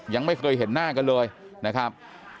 ยังไม่เคยเห็นหน้ากันเลยนะครับ